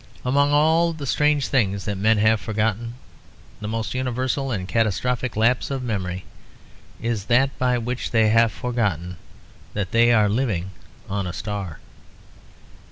Among all the strange things that men have forgotten, the most universal and catastrophic lapse of memory is that by which they have forgotten that they are living on a star.